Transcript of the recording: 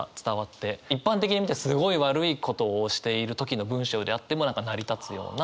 一般的に見てすごい悪いことをしている時の文章であっても何か成り立つような。